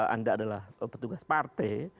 anda adalah petugas partai